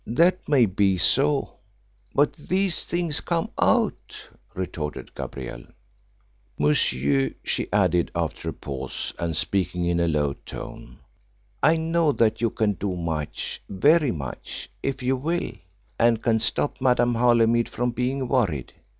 "That may be so, but these things come out," retorted Gabrielle. "Monsieur," she added, after a pause, and speaking in a low tone, "I know that you can do much very much if you will, and can stop Madame Holymead from being worried.